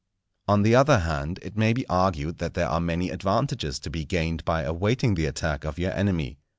On the other hand, it may be argued that there are many advantages to be gained by awaiting the attack of your enemy.